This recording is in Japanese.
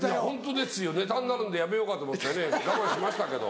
ネタになるんでやめようかと思って我慢しましたけど。